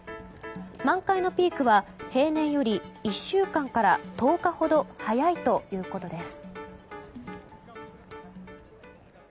満開のピークは平年より１週間から１０日ほど早いということです。